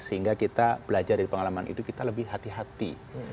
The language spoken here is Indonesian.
sehingga kita belajar dari pengalaman itu kita lebih hati hati